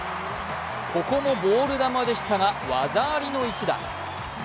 ここもボール球でしたが技ありの一打。